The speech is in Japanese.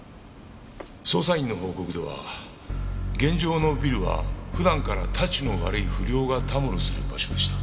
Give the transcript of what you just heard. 捜査員の報告では現場のビルは普段からタチの悪い不良がたむろする場所でした。